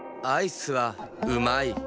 アイスはうまい。